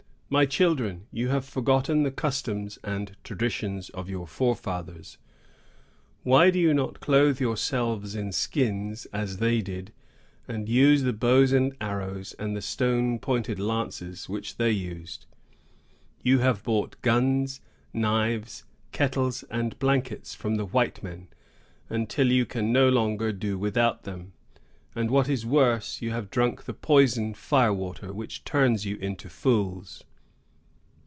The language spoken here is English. My children, you have forgotten the customs and traditions of your forefathers. Why do you not clothe yourselves in skins, as they did, and use the bows and arrows, and the stone pointed lances, which they used? You have bought guns, knives, kettles, and blankets, from the white men, until you can no longer do without them; and, what is worse, you have drunk the poison fire water, which turns you into fools.